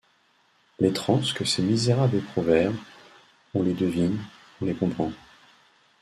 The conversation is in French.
Les transes que ces misérables éprouvèrent, on les devine, on les comprend.